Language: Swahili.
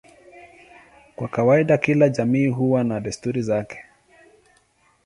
Kwa kawaida kila jamii huwa na desturi zake.